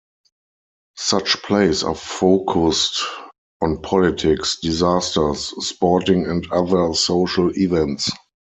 Such plays are focused on politics, disasters, sporting and other social events.